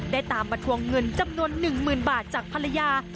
ได้ตามมาทวงเงินจำนวน๑หมื่นบาทจากภรรยา